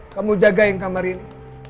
kamu jagain kamar ini